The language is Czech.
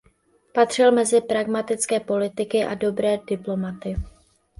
Patřil mezi pragmatické politiky a dobré diplomaty.